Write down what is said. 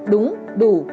đúng đủ và đúng